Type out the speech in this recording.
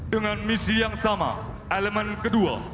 dengan misi yang sama elemen kedua